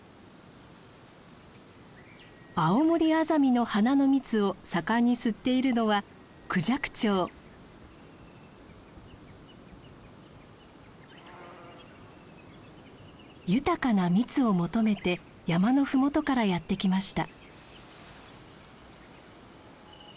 アオモリアザミの花の蜜を盛んに吸っているのは豊かな蜜を求めて山の麓からやって来ました。